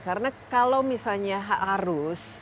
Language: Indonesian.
karena kalau misalnya harus